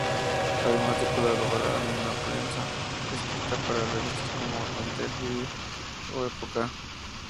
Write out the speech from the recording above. Además de colaborar en prensa escrita para revistas como "Interviú" o "Época".